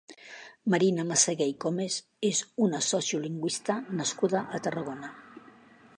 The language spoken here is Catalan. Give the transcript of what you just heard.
Marina Massaguer i Comes és una sociolingüista nascuda a Tarragona.